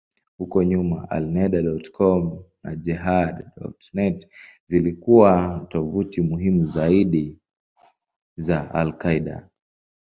Huko nyuma, Alneda.com na Jehad.net zilikuwa tovuti muhimu zaidi za al-Qaeda.